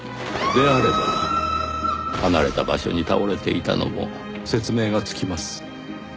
であれば離れた場所に倒れていたのも説明がつきます。